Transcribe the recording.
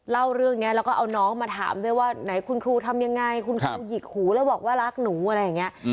เล่าเรื่องนี้แล้วก็เอาน้องมาถามด้วยว่าไหนคุณครูทำยังไงคุณครูหยิกหูแล้วบอกว่ารักหนูอะไรอย่างนี้